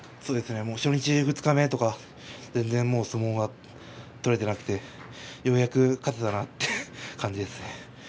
初日、二日目と全然相撲が取れていなくてようやく勝てたなって感じです。